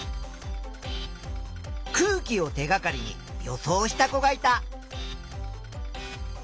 空気を手がかりに予想した子がいた。